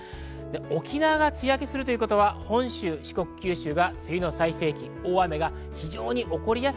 沖縄が梅雨明けするということは本州、四国、九州が梅雨の最盛期です。